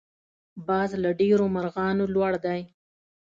باز له ډېرو مرغانو لوړ دی